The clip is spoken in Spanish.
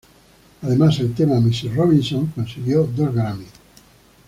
Además, el tema "Mrs.Robinson" consiguió dos grammys.